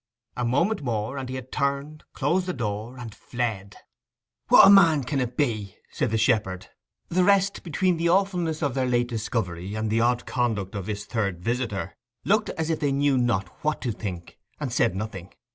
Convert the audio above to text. A moment more and he had turned, closed the door, and fled. 'What a man can it be?' said the shepherd. The rest, between the awfulness of their late discovery and the odd conduct of this third visitor, looked as if they knew not what to think, and said nothing.